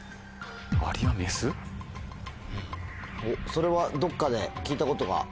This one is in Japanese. それはどっかで聞いたことが？